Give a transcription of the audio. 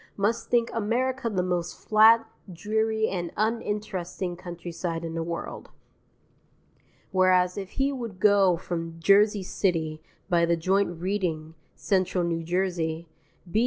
must think America the most flat, dreary, and uninteresting countryside in the world. Whereas if he would go from Jersey City by the joint Reading Central New Jersey B.